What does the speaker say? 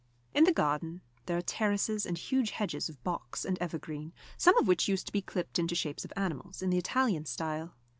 In the gardens there are terraces and huge hedges of box and evergreen, some of which used to be clipped into shapes of animals, in the Italian style.